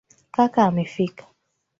Kaka amefika.